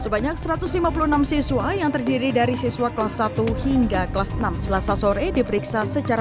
sebanyak satu ratus lima puluh enam siswa yang terdiri dari siswa kelas satu hingga kelas enam selasa sore diperiksa secara